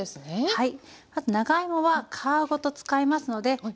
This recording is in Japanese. はい。